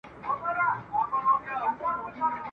نه حبیب سته نه طبیب سته نه له دې رنځه جوړیږو ..